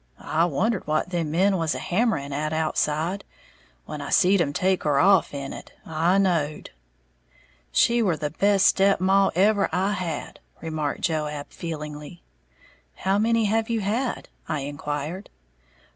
I wondered what them men was a hammering at outside. When I seed 'em take her off in it, I knowed." "She were the best step maw ever I had," remarked Joab, feelingly. "How many have you had?" I inquired.